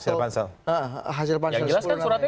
hasil pansel yang jelas kan suratnya